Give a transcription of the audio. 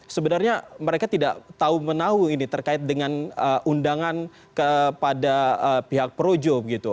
sebenarnya mereka tidak tahu menahu ini terkait dengan undangan kepada pihak projo